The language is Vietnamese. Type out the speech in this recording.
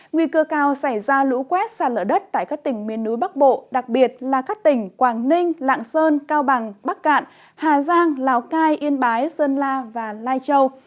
nguy cơ cao xảy ra lũ quét xa lở đất tại các tỉnh miền núi bắc bộ đặc biệt là các tỉnh quảng ninh lạng sơn cao bằng bắc cạn hà giang lào cai yên bái sơn la và lai châu